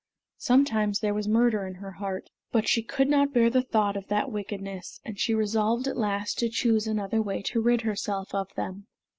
Sometimes there was murder in her heart, but she could not bear the thought of that wickedness, and she resolved at last to choose another way to rid herself of them.